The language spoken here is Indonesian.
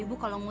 eh pak salah